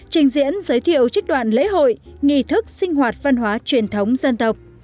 trình diễn giới thiệu trích đoạn lễ hội nghị thức sinh hoạt văn hóa truyền thống dân tộc